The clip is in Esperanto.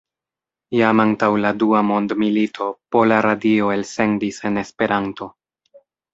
Jam antaŭ la dua mondmilito Pola Radio elsendis en Esperanto.